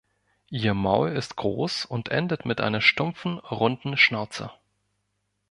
Ihr Maul ist groß und endet mit einer stumpfen runden Schnauze.